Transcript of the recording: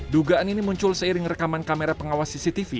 dugaan ini muncul seiring rekaman kamera pengawas cctv